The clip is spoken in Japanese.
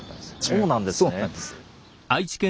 そうなんです。